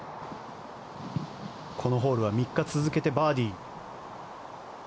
このホールは３日続けてバーディー。